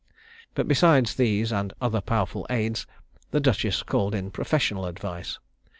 But besides these and other powerful aids, the duchess called in professional advice.